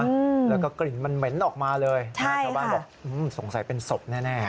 แล้วก็กลิ่นมันเหม็นออกมาเลยชาวบ้านบอกสงสัยเป็นศพแน่ค่ะใช่ค่ะ